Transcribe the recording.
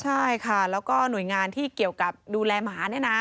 ใช่ค่ะแล้วก็หน่วยงานที่เกี่ยวกับดูแลหมาเนี่ยนะ